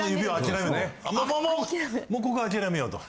もうもうここ諦めようと。